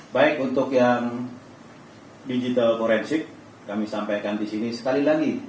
baik untuk yang digital forensik kami sampaikan di sini sekali lagi